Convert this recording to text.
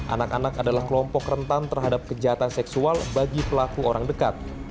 anak anak adalah kelompok rentan terhadap kejahatan seksual bagi pelaku orang dekat